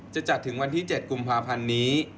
จะจัดถึงวันที่๗กุมภาพันธ์นี้